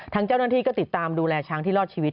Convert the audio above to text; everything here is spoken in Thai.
ทางเจ้าหน้าที่ก็ติดตามดูแลช้างที่รอดชีวิต